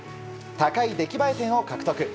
高い出来栄え点を獲得。